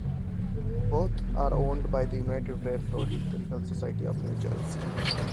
Both are owned by the United Railroad Historical Society of New Jersey.